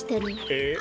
えっ？